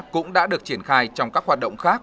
cũng đã được triển khai trong các hoạt động khác